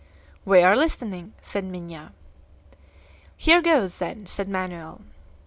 "We are listening," said Minha. "Here goes, then," said Manoel.